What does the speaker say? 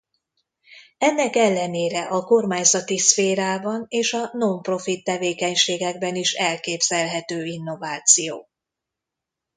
Ennek ellenére a kormányzati szférában és a non-profit tevékenységekben is elképzelhető innováció.